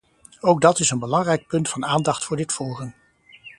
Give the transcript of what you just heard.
Ook dat is een belangrijk punt van aandacht voor dit forum.